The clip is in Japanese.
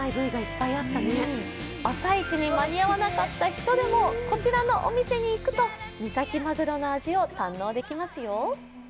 朝市に間に合わなかった人でもこちらのお店に行くと、三崎マグロの味を堪能できますよ。